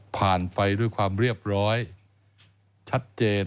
ไปด้วยความเรียบร้อยชัดเจน